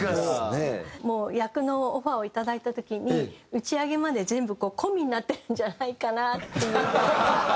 役のオファーをいただいた時に打ち上げまで全部込みになってるんじゃないかなっていう。